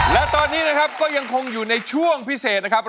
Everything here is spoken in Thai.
และตอนนี้นะครับก็ยังคงอยู่ในช่วงพิเศษนะครับ